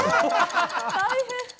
大変。